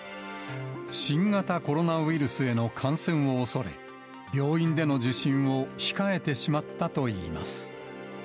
新型コロナウイルスへの感染を恐れ、病院での受診を控えてしまったといいます。